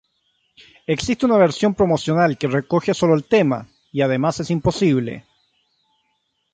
Existe una versión promocional que recoge sólo el tema "Y además es imposible".